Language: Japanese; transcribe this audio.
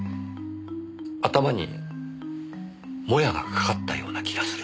頭にもやがかかったような気がする。